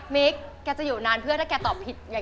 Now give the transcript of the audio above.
มิ๊คแกจะอยู่นานเพื่อถ้าแกตอบผิดอย่างนี้